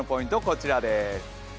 こちらです。